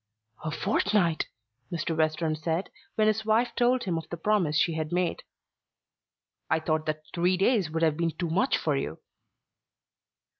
"A fortnight!" Mr. Western said, when his wife told him of the promise she had made. "I thought that three days would have been too much for you."